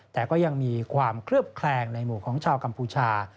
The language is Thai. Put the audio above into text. แต่ก็ยังมีความเคลือบแคลงในหมู่ของชาวกัมพูชา